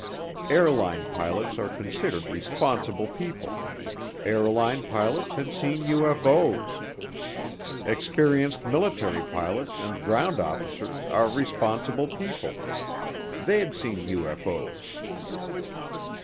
Airline pilots are considered responsible people airline pilots had seen UFO's. Experienced military pilots and ground officers are responsible people they'd seen UFO's.